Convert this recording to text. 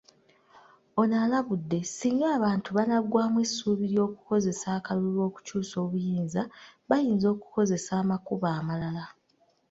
Ono alabudde, singa abantu banaggwaamu essuubi ly'okukozesa akalulu okukyusa obuyinza, bayinza okukozesa amakubo amalala.